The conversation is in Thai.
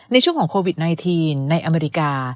ในช่วงของโควิด๑๙ในอเมริกา